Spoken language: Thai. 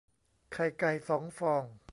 ไข่ไก่สองฟอง